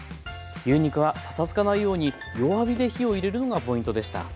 牛肉はパサつかないように弱火で火を入れるのがポイントでした。